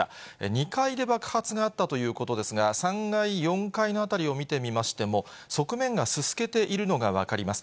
２階で爆発があったということですが、３階、４階の辺りを見てみましても、側面がすすけているのが分かります。